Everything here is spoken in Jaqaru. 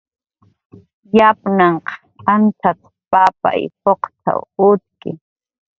Yapnhanq ancxacx paqay puqtaw utki